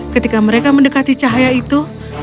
ketika mereka mendekati cahaya itu